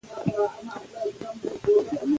لومړې ماده: